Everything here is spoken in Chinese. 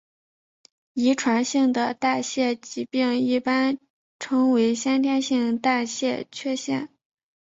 遗传性的代谢疾病一般称为先天性代谢缺陷。